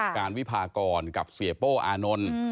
การวิพากรกับเสียโป้อานนท์